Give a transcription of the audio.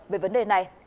về vấn đề này